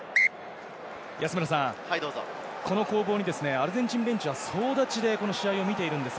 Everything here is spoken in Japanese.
この攻防にアルゼンチンベンチは総立ちで試合を見ています。